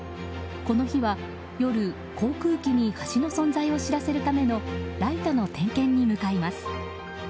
この日は夜、航空機に橋の存在を知らせるためのライトの点検に向かいます。